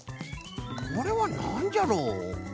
これはなんじゃろう？